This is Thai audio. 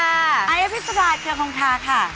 อัยอภิษฐาเชียวของขาค่ะ